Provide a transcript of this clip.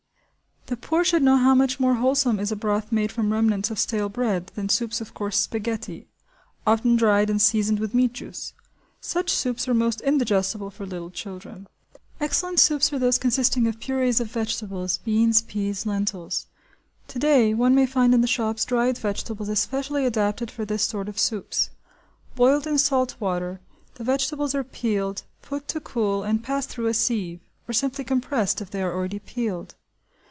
The poor should know how much more wholesome is a broth made from remnants of stale bread, than soups of coarse spaghetti–often dry and seasoned with meat juice. Such soups are most indigestible for little children. Excellent soups are those consisting of purées of vegetables (beans, peas, lentils). To day one may find in the shops dried vegetables especially adapted for this sort of soups. Boiled in salt water, the vegetables are peeled, put to cool and passed through a sieve (or simply compressed, if they are already peeled).